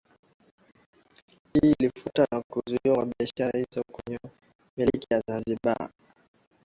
Hii ilifuatiwa na kuzuwia biashara hiyo kwenye milki ya Zanzibar